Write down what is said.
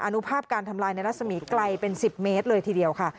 อนุภาพการทำลายในรัศมีไกลเป็น๑๐เมตรเลยทีเดียวค่ะ